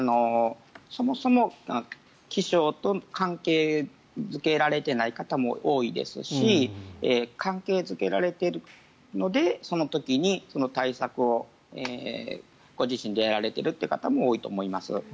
そもそも気象と関係付けられていない方も多いですし関係付けられているのでその時にその対策をご自身でやられているという方も多いと思います。